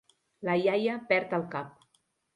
La iaia perd el cap.